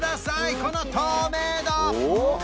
この透明度！